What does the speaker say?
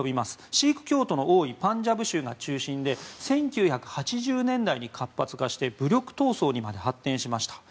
シーク教徒の多いパンジャブ州が中心で１９８０年代に活発化して武力闘争にまで発展しました。